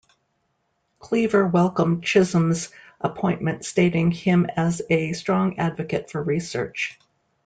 Cleaver welcomed Chisholm's appointment stating him as a strong advocate for research.